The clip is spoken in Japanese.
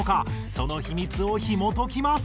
その秘密をひもときます！